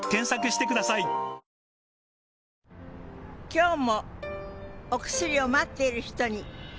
今日もお薬を待っている人に。